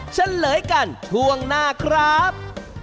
เฉลยกันช่วงหน้าครับ